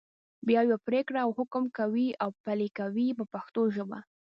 بیا یوه پرېکړه او حکم کوي او پلي یې کوي په پښتو ژبه.